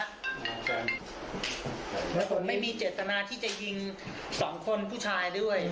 แล้วผมไม่มีเจตนาที่จะยิงสองคนผู้ชายด้วย